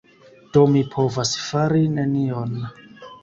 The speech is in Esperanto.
Do mi povas fari nenion!